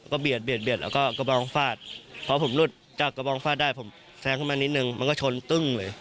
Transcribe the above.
เบียดแล้วก็กระบองฟาดพอผมหลุดจากกระบองฟาดได้ผมแซงขึ้นมานิดนึงมันก็ชนตึ้งเลย